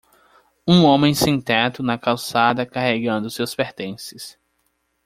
Um homem sem-teto na calçada carregando seus pertences.